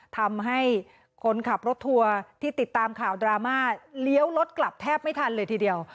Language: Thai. ทำให้คนขับรถทัวร์ที่ติดตามข่าวดราม่าเลี้ยวรถกลับแทบไม่ทันเลยทีเดียว